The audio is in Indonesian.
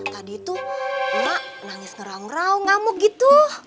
tadi itu emak nangis ngerau ngrau ngamuk gitu